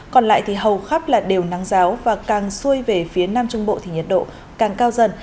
còn lại thì hầu khắp là đều nắng giáo và càng xuôi về phía nam trung bộ thì nhiệt độ càng cao dần